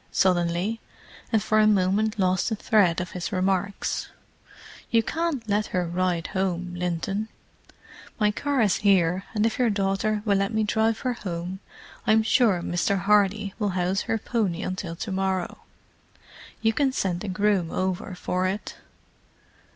suddenly, and for a moment lost the thread of his remarks. "You can't let her ride home, Linton—my car is here, and if your daughter will let me drive her home I'm sure Mr. Hardy will house her pony until to morrow—you can send a groom over for it.